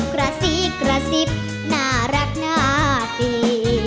กระซิบกระซิบน่าร่าดี